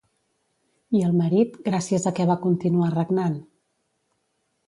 I el marit, gràcies a què va continuar regnant?